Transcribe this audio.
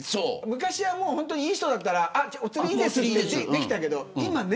昔は、いい人だったらお釣りいいですってできたけど、今ね。